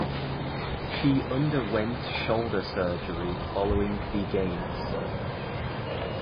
She underwent shoulder surgery following the Games.